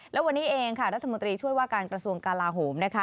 และวันนี้เองค่ะรัฐมนตรีช่วยว่าการกระทรวงกลาโหมนะคะ